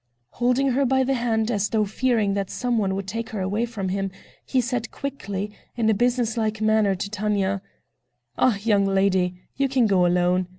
Holding her by the hand, as though fearing that some one would take her away from him, he said quickly, in a business like manner, to Tanya: "Ah, young lady, you can go alone!